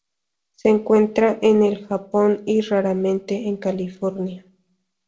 Se encuentra en el Japón y, raramente, en California.